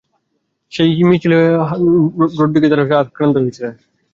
সেই মিছিলে James Rodriguez যোগ হতে পারেন বলে স্প্যানিশ প্রচারমাধ্যমে জোর গুঞ্জন।